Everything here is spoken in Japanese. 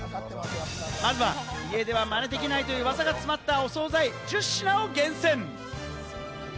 まずは家ではマネできないという技が詰まったお総菜１０品を厳選。